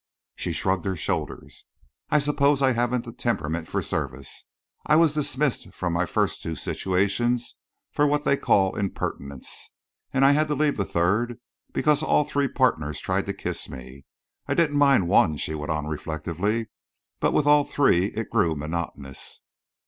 She shrugged her shoulders. "I suppose I haven't the temperament for service. I was dismissed from my first two situations for what they called impertinence, and I had to leave the third because all three partners tried to kiss me. I didn't mind one," she went on reflectively, "but with all three it grew monotonous."